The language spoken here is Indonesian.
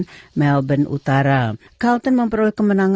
bukan kebenaran saya sebagai pelajar konsentrasi